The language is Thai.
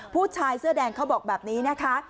ผู้ชายเสื้อแดงเขาบอกแบบนี้นะคะ